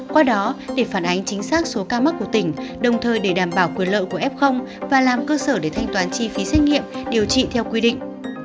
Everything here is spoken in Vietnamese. qua đó để phản ánh chính xác số ca mắc của tỉnh đồng thời để đảm bảo quyền lợi của f và làm cơ sở để thanh toán chi phí xét nghiệm điều trị theo quy định